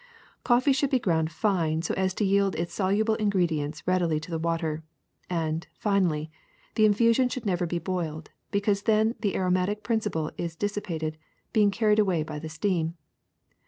^^ Coffee should be ground fine so as to yield its soluble ingredients readily to the water ; and, finally, the infusion should never be boiled, because then the aromatic principle is dissipated, being carried away by the steam.